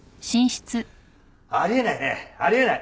あり得ないねあり得ない！